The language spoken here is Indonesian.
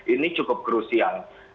ini cukup krusial